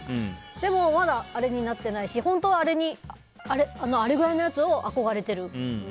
でもまだあれになってないし本当はあれぐらいのやつに憧れてる。